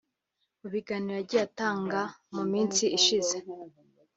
Mu biganiro yagiye atanga mu minsi ishize